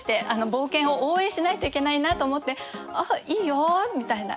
冒険を応援しないといけないなと思って「あっいいよ」みたいな。